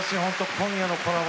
今夜のコラボ